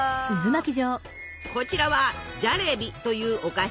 こちらは「ジャレビ」というお菓子。